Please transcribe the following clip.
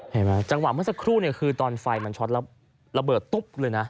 จังหวะเมื่อสักครู่เนี่ยคือตอนไฟมันช็อตแล้วระเบิดตุ๊บเลยนะ